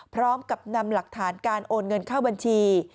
พร้อมกับนำหลักฐานการโอนเงินเข้าบัญชี